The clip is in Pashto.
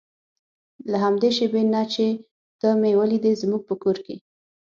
له همدې شېبې نه چې ته مې ولیدې زموږ په کور کې.